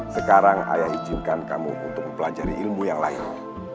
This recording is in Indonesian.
sekarang ayah izinkan kamu untuk mempelajari ilmu yang lain